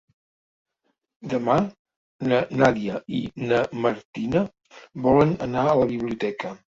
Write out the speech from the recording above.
Demà na Nàdia i na Martina volen anar a la biblioteca.